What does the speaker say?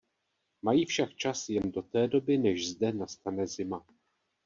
Mají však čas jen do té doby než zde nastane zima.